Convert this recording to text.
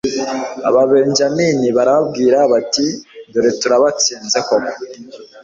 ababenyamini baribwira bati dore turabatsinze koko